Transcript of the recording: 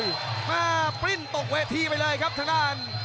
โอ้โหมาปริ้นตกเวทีไปเลยครับทางนั้น